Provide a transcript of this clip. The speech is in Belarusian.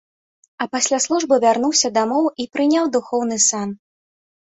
А пасля службы вярнуўся дамоў і прыняў духоўны сан.